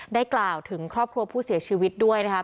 กล่าวถึงครอบครัวผู้เสียชีวิตด้วยนะครับ